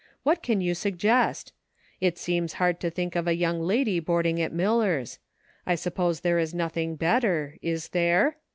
What can you suggest } It seems hard to think of a young lady boarding at Miller's. I suppose there is noth ing better — is there.?